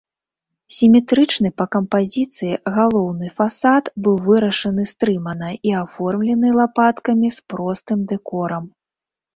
Сіметрычны па кампазіцыі галоўны фасад быў вырашаны стрымана і аформлены лапаткамі з простым дэкорам.